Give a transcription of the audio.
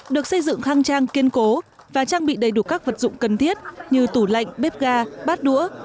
được xây dựng khang trang kiên cố và trang bị đầy đủ các vật dụng cần thiết như tủ lạnh bếp ga bá bát đũa